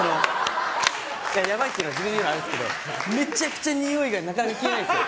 やばいっていうのは自分で言うとあれですけどめちゃくちゃにおいがなかなか消えないんですよ。